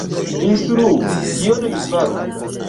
Instruu, kion mi faru?